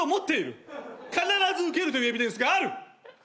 必ずウケるというエビデンスがある！